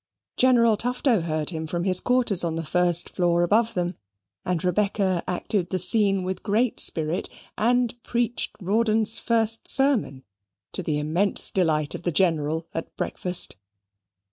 General Tufto heard him from his quarters on the first floor above them; and Rebecca acted the scene with great spirit, and preached Rawdon's first sermon, to the immense delight of the General at breakfast.